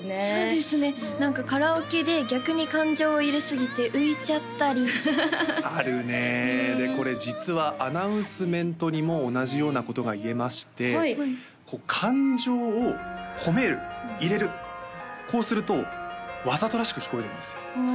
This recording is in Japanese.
そうですね何かカラオケで逆に感情を入れすぎて浮いちゃったりあるねでこれ実はアナウンスメントにも同じようなことが言えましてこう感情を込める入れるこうするとわざとらしく聞こえるんですよ